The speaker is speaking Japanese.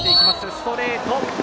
ストレート。